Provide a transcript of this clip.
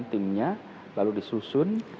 timnya lalu disusun